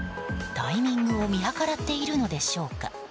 タイミングを見計らっているのでしょうか。